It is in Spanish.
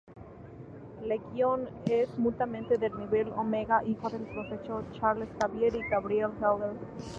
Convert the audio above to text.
Legión es un mutante del nivel-Omega, hijo del Profesor Charles Xavier y Gabrielle Haller.